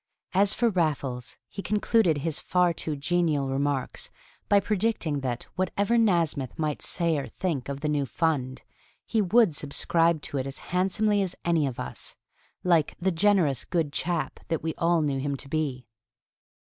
As for Raffles, he concluded his far too genial remarks by predicting that, whatever Nasmyth might say or think of the new fund, he would subscribe to it as handsomely as any of us, like "the generous good chap" that we all knew him to be.